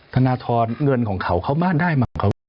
ธนทรเงินของเขาเขาม่านได้มา